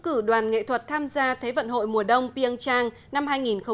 cử đoàn nghệ thuật tham gia thế vận hội mùa đông pyeongchang năm hai nghìn một mươi tám